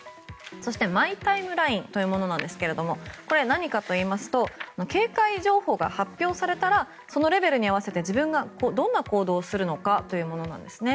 そして、マイ・タイムラインというものなんですがこれは何かというと警戒情報が発表されたらそのレベルに合わせて自分がどんな行動をするのかというものなんですね。